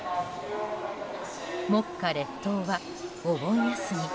目下列島はお盆休み。